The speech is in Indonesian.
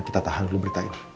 kita tahan dulu beritanya